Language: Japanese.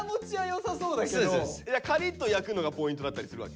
カリッと焼くのがポイントだったりするわけ？